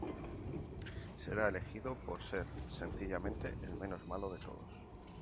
Será elegido por ser, sencillamente, el menos malo de todos.